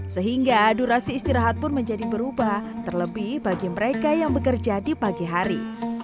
sehingga durasi istirahat pun menjadi berubah terlebih bagi mereka yang bekerja di pagi hari